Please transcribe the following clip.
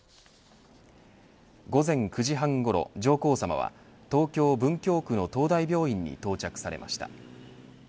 午前９時半ごろ上皇さまは東京、文京区の東大病院に到着されました。